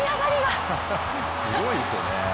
すごいですよね。